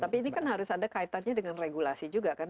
tapi ini kan harus ada kaitannya dengan regulasi juga kan